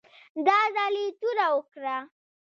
دا ځل یې توره وکړه.